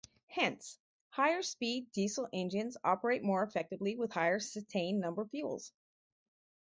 Hence, higher speed diesel engines operate more effectively with higher cetane number fuels.